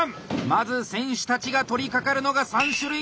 まず選手たちが取りかかるのが３種類の巻物だ！